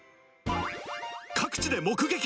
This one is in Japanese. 各地で目撃！